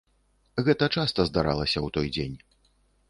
Гэта часта здаралася ў той дзень.